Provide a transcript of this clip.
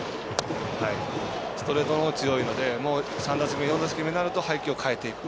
ストレートのほうが強いので３打席目、４打席目になると配球を変えていく。